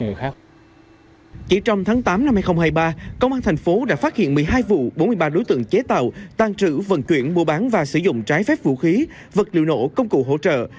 ngày một mươi ba tháng bảy năm hai nghìn hai mươi ba công an thành phố đã phát hiện một mươi hai vụ bốn mươi ba đối tượng chế tạo tàn trữ vận chuyển mua bán và sử dụng trái phép vũ khí vật liệu nổ công cụ hỗ trợ